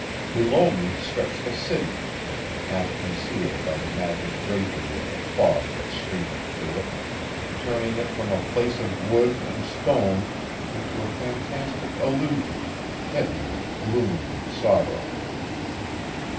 Below me stretched the city, half concealed by the magic drapery of the fog that streamed through it, turning it from a place of wood and stone into a fantastic illusion, heavy with gloom and sorrow.